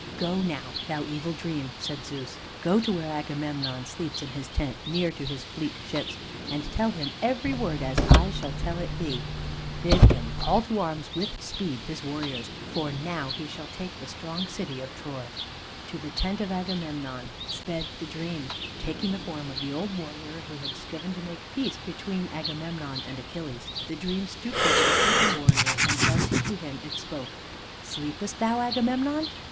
"Go now, thou evil Dream," said Zeus, "go to where Agamemnon sleeps in his tent near to his fleet ships, and tell him every word as I shall tell it thee. Bid him call to arms with speed his warriors, for now he shall take the strong city of Troy." To the tent of Agamemnon sped the Dream. Taking the form of the old warrior who had striven to make peace between Agamemnon and Achilles, the Dream stooped over the sleeping warrior, and thus to him it spoke: "Sleepest thou, Agamemnon?